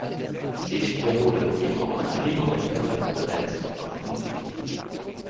Ich wiederhole, wir brauchen ein Minimum an innerer Kohärenz in unseren Politiken.